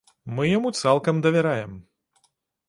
Мы яму цалкам давяраем.